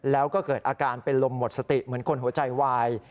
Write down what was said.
แล้วก็เกิดอาการเป็นลมหมดสติเหมือนคนหัวใจวาย